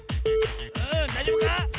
うんだいじょうぶか？